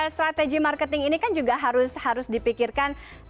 strategi marketing ini kan juga harus dipikirkan